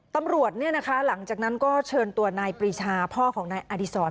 ตำรวจเนี่ยนะคะหลังจากนั้นก็เชิญตัวนายปริชาพ่อของนายอดิสร